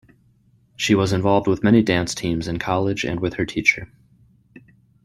She was involved with many dance teams in college and with her teacher.